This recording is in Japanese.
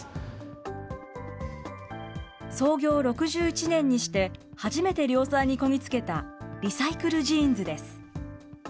創業６１年にして、初めて量産にこぎ着けたリサイクルジーンズです。